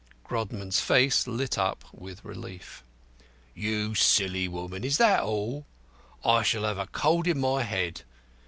Grodman's face lit up with relief. "You silly woman! Is that all? I shall have a cold in my head.